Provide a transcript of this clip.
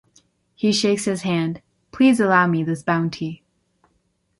He shakes his hand. Please allow me this bounty.